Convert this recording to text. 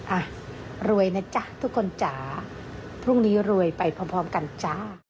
อ่ะรวยนะจ๊ะทุกคนจ๋าพรุ่งนี้รวยไปพร้อมกันจ้า